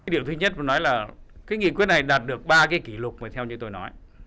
điều thứ nhất là nghị quyết này đạt được ba kỷ lục theo như tôi nói